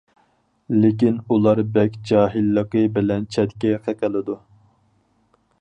لېكىن ئۇلار بەك جاھىللىقى بىلەن چەتكە قېقىلىدۇ.